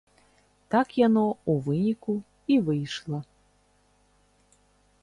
Так яно, у выніку, і выйшла.